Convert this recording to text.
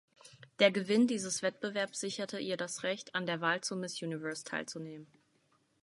Der Gewinn dieses Wettbewerbs sicherte ihr das Recht, an der Wahl zur Miss Universe teilzunehmen.